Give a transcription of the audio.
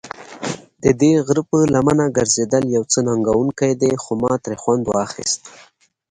ددې غره پر لمنه ګرځېدل یو څه ننګوونکی دی، خو ما ترې خوند اخیسته.